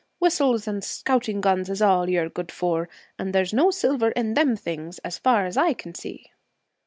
Whistles and scouting guns is all you're good for, and there's no silver in them things as far as I can see.'